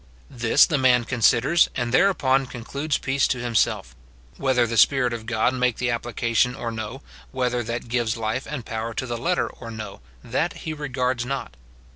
This the man considers, and thereupon concludes peace to himself; whether the Spirit of God make the application or no, whether that gives life and power to the letter or no, that he regards not.